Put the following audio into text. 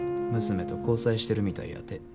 娘と交際してるみたいやて。